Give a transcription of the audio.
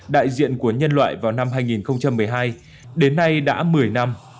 đại diện của nhân loại vào năm hai nghìn một mươi hai đến nay đã một mươi năm